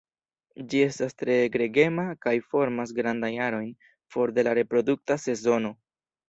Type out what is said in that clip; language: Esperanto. Ĝi estas tre gregema, kaj formas grandajn arojn for de la reprodukta sezono.